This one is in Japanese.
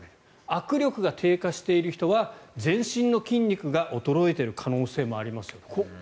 握力が低下している人は全身の筋肉が衰えている可能性もありますよと。